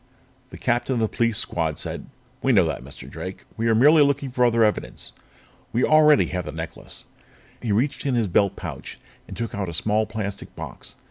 The captain of the police squad said: "We know that, Mr. Drake. We are merely looking for other evidence. We already have the necklace." He reached in his belt pouch and took out a small plastic box.